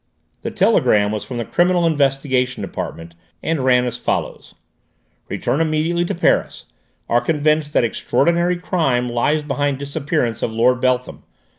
The telegram was from the Criminal Investigation Department, and ran as follows: "Return immediately to Paris. Are convinced that extraordinary crime lies behind disappearance of Lord Beltham.